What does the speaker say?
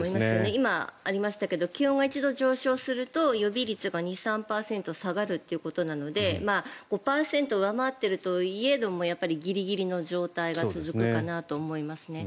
今、ありましたけど気温が１度上昇すると予備率が２３％下がるということなので５％を上回っているといえどもギリギリの状態が続くかなと思いますね。